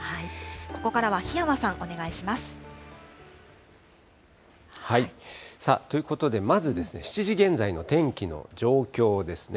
ここからは檜山さん、お願いしまということで、まず７時現在の天気の状況ですね。